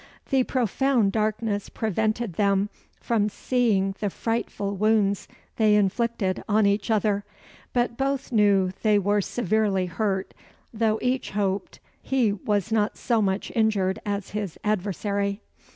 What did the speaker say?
The profound darkness prevented them from seeing the frightful wounds they inflicted on each other; but both knew they were severely hurt, though each hoped he was not so much injured as his adversary.